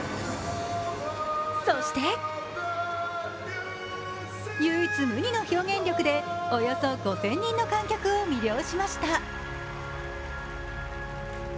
そして唯一無二の表現力でおよそ５０００人の観客を魅了しました。